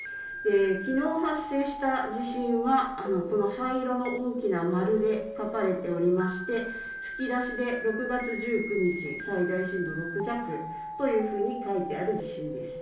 きのう発生した地震は灰色の大きなまるで書かれておりまして吹き出しで６月１９日、最大震度６弱というふうに書いてある地震です。